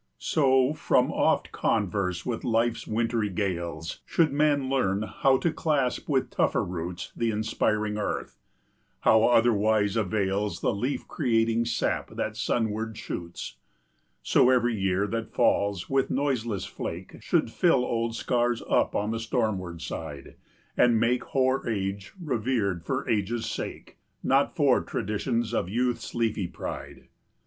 So, from oft converse with life's wintry gales, 25 Should man learn how to clasp with tougher roots The inspiring earth; how otherwise avails The leaf creating sap that sunward shoots? So every year that falls with noiseless flake Should fill old scars up on the stormward side, 30 And make hoar age revered for age's sake, Not for traditions of youth's leafy pride.